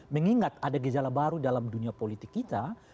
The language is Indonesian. mengingat ada gejala baru dalam dunia politik kita